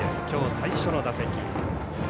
きょう最初の打席。